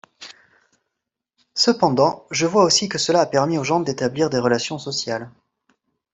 Cependant, je vois aussi que cela a permis aux gens d'établir des relations sociales.